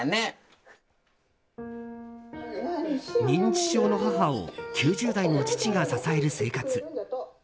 認知症の母を９０代の父が支える生活。